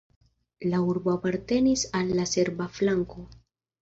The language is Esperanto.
La urbo apartenis al la serba flanko.